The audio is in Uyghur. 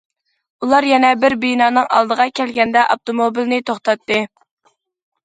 ئۇلار يەنە بىر بىنانىڭ ئالدىغا كەلگەندە ئاپتوموبىلنى توختاتتى.